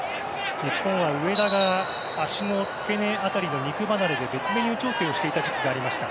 日本は上田が足の付け根当たりの肉離れで別メニュー調整をしていた時期がありました。